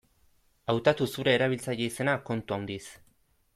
Hautatu zure erabiltzaile-izena kontu handiz.